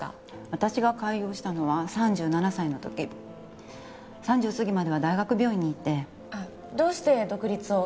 私が開業したのは３７歳の時３０すぎまでは大学病院にいてあっどうして独立を？